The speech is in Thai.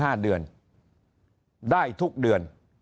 ห้าเดือนได้ทุกเดือน